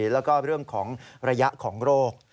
แล้วก็เรื่องของระยะของโรค